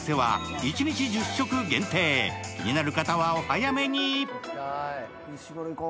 気になる方はお早めに。